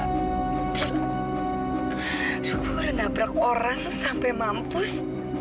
saya sudah menabrak orang sampai mampus